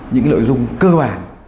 những nội dung cơ bản